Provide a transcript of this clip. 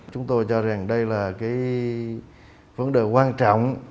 chúng tôi cho rằng đây là cái vấn đề quan trọng